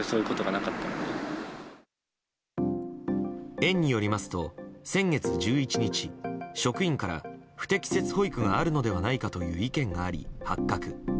園によりますと先月１１日職員から不適切保育があるのではないかという意見があり発覚。